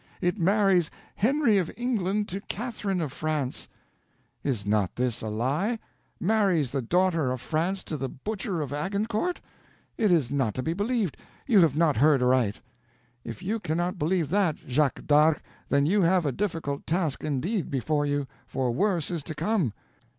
It marries Henry of England to Catharine of France—" "Is not this a lie? Marries the daughter of France to the Butcher of Agincourt? It is not to be believed. You have not heard aright." "If you cannot believe that, Jacques d'Arc, then you have a difficult task indeed before you, for worse is to come.